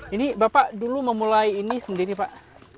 ini bapak dulu memulai ini sendiri pak